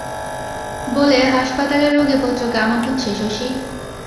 বলে, হাসপাতালে রোগীপত্র কেমন হচ্ছে শশী?